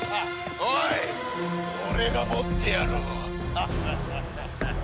おい俺が持ってやろう。ハハハハ！